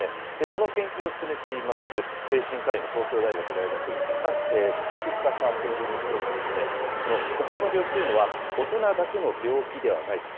この研究を進めています、精神科医の東京大学大学院、佐々木司教授によると、この心の病気というのは、大人だけの病気ではないと。